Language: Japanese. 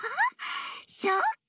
そっか！